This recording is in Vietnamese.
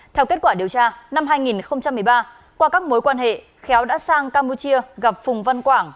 theo kết quả điều tra năm hai nghìn một mươi ba qua các mối quan hệ khéo đã sang campuchia gặp phùng văn quảng